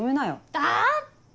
だって。